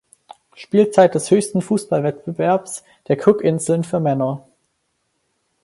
Spielzeit des höchsten Fußballwettbewerbs der Cookinseln für Männer.